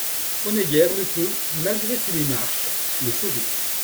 Honegger ne peut, malgré ses démarches, les sauver.